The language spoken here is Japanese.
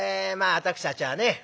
私たちはね